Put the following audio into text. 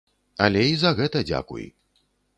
Але і за гэта дзякуй.